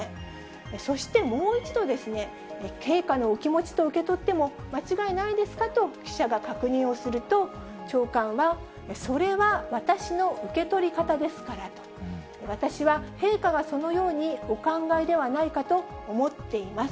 そしてもう一度ですね、陛下のお気持ちと受け取っても間違いないですか？と記者が確認をすると、長官は、それは私の受け取り方ですからと。私は陛下がそのようにお考えではないかと思っています。